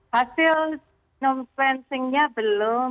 hasil sequencingnya belum